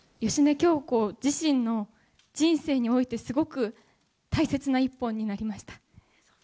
京子自身の人生において、すごく大切な一本になりました。